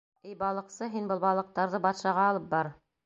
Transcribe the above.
Эй балыҡсы, һин был балыҡтарҙы батшаға алып бар.